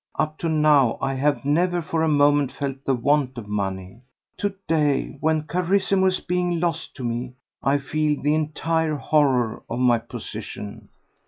Up to now I have never for a moment felt the want of money. To day, when Carissimo is being lost to me, I feel the entire horror of my position."